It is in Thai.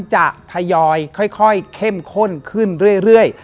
จะทยอยค่อยเข้มข้นขึ้นเรื่อย